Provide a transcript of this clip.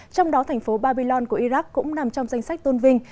trong đó thành phố babylon của iraq cũng nằm trong danh sách tôn vinh